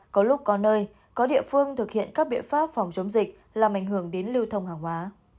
có địa phương thực hiện các biện pháp phòng chống dịch làm ảnh hưởng đến lưu thông hàng hóa